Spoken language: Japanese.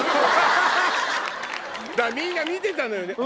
みんな見てたのよね